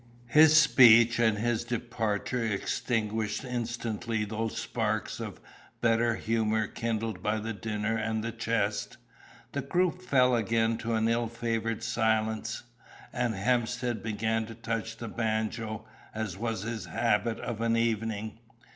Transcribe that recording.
His speech and his departure extinguished instantly those sparks of better humour kindled by the dinner and the chest. The group fell again to an ill favoured silence, and Hemstead began to touch the banjo, as was his habit of an evening.